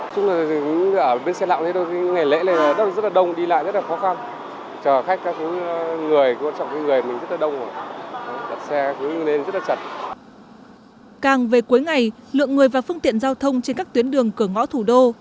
càng về cuối ngày lượng người và phương tiện giao thông trên các tuyến đường cửa ngõ thủ đô